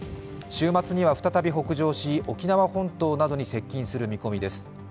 週末には再び北上し、沖縄本島などに接近する見込みです。